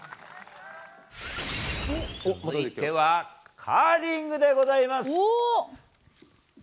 続いてはカーリングでございます。